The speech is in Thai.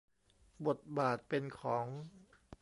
บทบาทเป็นของ